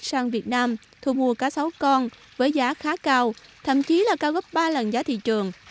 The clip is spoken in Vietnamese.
sang việt nam thu mua cá sáu con với giá khá cao thậm chí là cao gấp ba lần giá thị trường